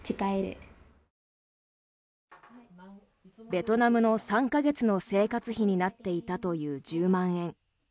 ベトナムの３か月の生活費になっていたという１０万円。